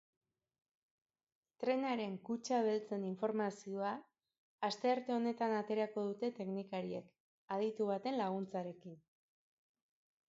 Trenaren kutxa beltzen informazioa astearte honetan aterako dute teknikariek, aditu baten laguntzarekin.